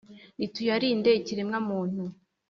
nituyalinde ikiremwa-muntu